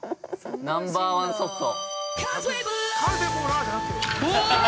ナンバーワン・ソフト。